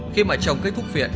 khi mà chồng kết thúc viện